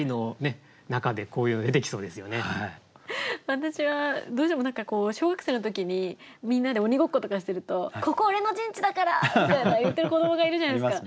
私はどうしても何かこう小学生の時にみんなで鬼ごっことかしてると「ここ俺の陣地だから！」みたいな言ってる子どもがいるじゃないですか。